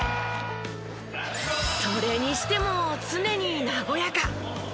それにしても常に和やか。